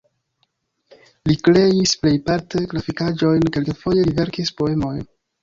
Li kreis plejparte grafikaĵojn, kelkfoje li verkis poemojn.